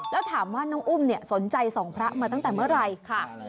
แล้วถามว่าน้องอุ้มสนใจส่องพระมาตั้งแต่เมื่อไหร่ค่ะ